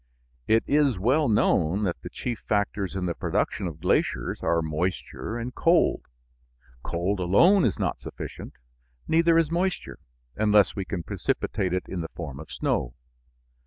It is well known that the chief factors in the production of glaciers are moisture and cold. Cold alone is not sufficient; neither is moisture, unless we can precipitate it in the form of snow.